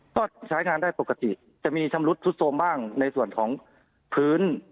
ก็ใช้งานได้ปกติจะมีชำรุดซุดโทรมบ้างในส่วนของพื้น